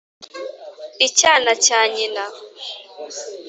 icyana cya nyina